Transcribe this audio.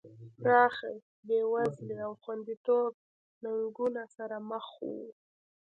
پراخې بېوزلۍ او خوندیتوب ننګونو سره مخ وو.